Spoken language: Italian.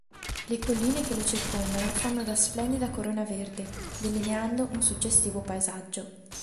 Le colline che lo circondano fanno da splendida corona verde, delineando un suggestivo paesaggio.